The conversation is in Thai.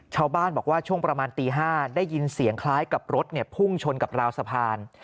ชาวบ้านบอกว่าช่วงประมาณตี๕ได้ยินเสียงคล้ายกับรถพุ่งชนกับราวสะพาน